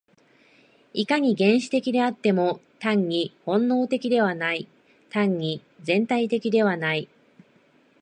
いかに原始的であっても、単に本能的ではない、単に全体的ではない。